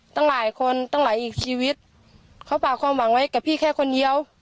ตั้งหลายคนตั้งหลายอีกชีวิตเขาฝากความหวังไว้กับพี่แค่คนเดียว